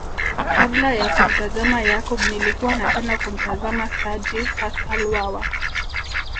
Kabla ya kumtazama Yakub nilikuwa napenda kumtazama Sergi Paschal Wawa